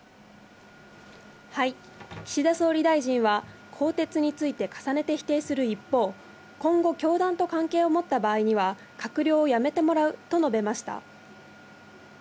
岸田総理大臣は、更迭について重ねて否定する一方、今後、教団と関係を持った場合には閣僚を辞めてもらうと述べました。